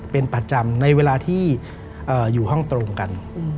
เป็นประจำในเวลาที่อยู่ห้องตรงกัน